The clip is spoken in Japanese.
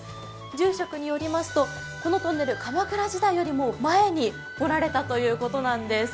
住職によりますと、このトンネル、鎌倉時代より前に掘られたということなんです。